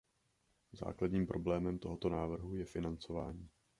Základním problémem tohoto návrhu je financování.